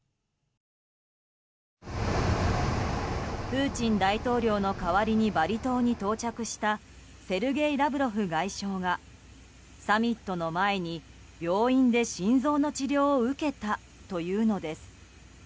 プーチン大統領の代わりにバリ島に到着したセルゲイ・ラブロフ外相がサミットの前に病院で心臓の治療を受けたというのです。